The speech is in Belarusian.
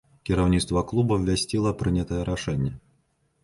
Кіраўніцтва клуба абвясціла прынятае рашэнне.